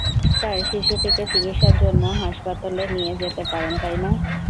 Sir, শিশুটিকে চিকিৎসার জন্য হাসপাতালে নিয়ে যেতে পারেন, তাই না?